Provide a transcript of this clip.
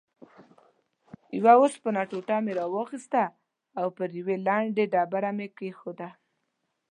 یوه اوسپنه ټوټه مې راواخیسته او پر یوې لندې ډبره مې کېښووله.